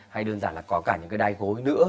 hay đơn giản là có cả những cái đai gối nữa